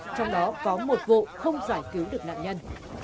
trong đó có một vụ không giải cứu được nạn nhân